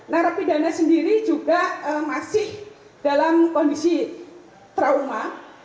nah rapidana sendiri juga masih dalam kondisi trauma